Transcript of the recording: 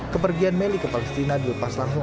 kepergian melly ke palestina dilepas langsung